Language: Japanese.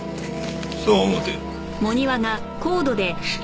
そう思て。